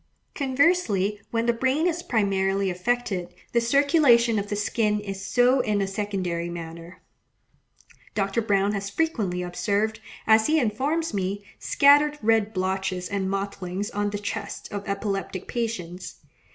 Conversely when the brain is primarily affected; the circulation of the skin is so in a secondary manner. Dr. Browne has frequently observed, as he informs me, scattered red blotches and mottlings on the chests of epileptic patients.